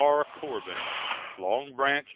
R. Corbin.] Long Branch, N.